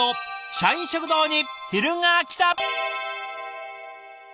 社員食堂に昼がきた。